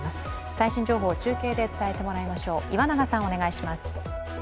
最新情報を中継で伝えてもらいましょう。